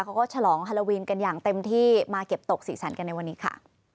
เขาก็ฉลองฮาโลวีนกันอย่างเต็มที่มาเก็บตกสีสันกันในวันนี้ค่ะ